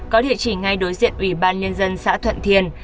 có địa chỉ ngay đối diện ủy ban liên dân xã thuận thiên